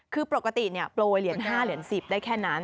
คือปกติโปรยเหรียญ๕เหรียญ๑๐ได้แค่นั้น